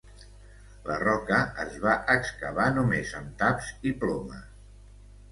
La roca es va excavar només amb taps i plomes.